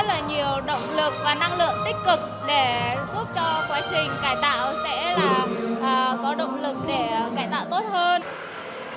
rất là nhiều động lực và năng lượng tích cực để giúp cho quá trình cải tạo sẽ là có động lực để cải tạo tốt hơn